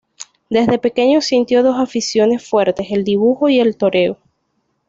Desde pequeño sintió dos aficiones fuertes: el dibujo y el toreo.